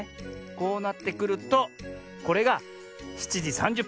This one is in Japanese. こうなってくるとこれが７じ３０ぷん。